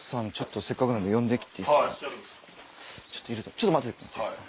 ちょっと待っててもらっていいですか。